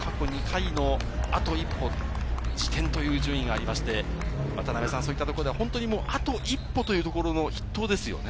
麗澤大学も過去２回のあと一歩、次点という順位がありまして、そういったところでは本当にあと一歩という筆頭ですよね。